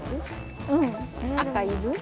うん赤いる？